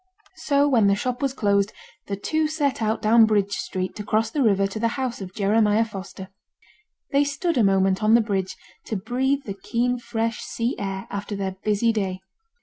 So when the shop was closed, the two set out down Bridge Street to cross the river to the house of Jeremiah Foster. They stood a moment on the bridge to breathe the keen fresh sea air after their busy day.